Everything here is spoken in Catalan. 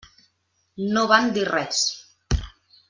No van dir res.